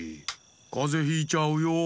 かぜひいちゃうよ。